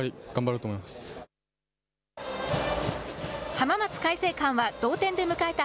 浜松開誠館は同点で迎えた